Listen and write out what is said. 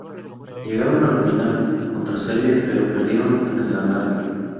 Llegaron a la final, contra Serbia, pero perdieron en el alargue.